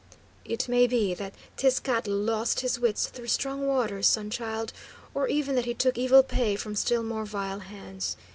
"It may be that Tezcatl lost his wits through strong waters, Sun Child, or even that he took evil pay from still more vile hands.